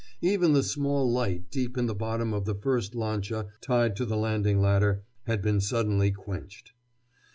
Even the small light deep in the bottom of the first lancha tied to the landing ladder had been suddenly quenched.